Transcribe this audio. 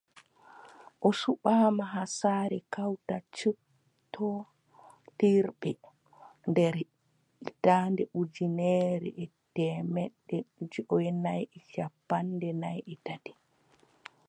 O suɓaama haa saare kawtal cuɓtootirɓe nder hitaande ujineere e teemeɗɗe joweenayi e cappanɗe nay e tati.